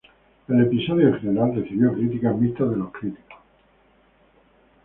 El episodio, en general, recibió críticas mixtas de los críticos.